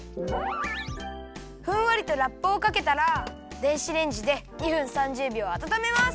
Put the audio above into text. ふんわりとラップをかけたら電子レンジで２分３０びょうあたためます。